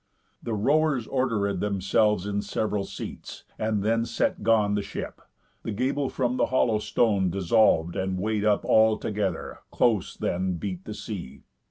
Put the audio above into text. The rowers orderéd Themselves in sev'ral seats, and then set gone The ship, the gable from the hollow stone Dissolv'd and weigh'd up, all, together, close Then beat the sea.